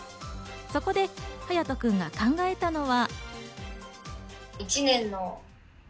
そこではやとくんが考えたのは。